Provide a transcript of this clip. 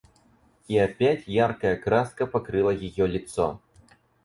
И опять яркая краска покрыла ее лицо.